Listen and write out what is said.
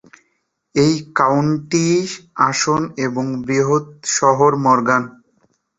এর কাউন্টি আসন এবং বৃহত্তম শহর মরগান।